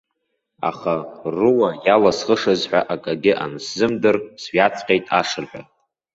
Аха, руа иалысхышаз ҳәа акагьы ансзымдыр, сҩаҵҟьеит ашырҳәа.